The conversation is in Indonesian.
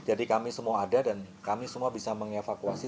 jadi kami semua ada dan kami semua bisa mengevakuasi